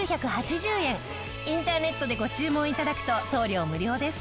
インターネットでご注文頂くと送料無料です。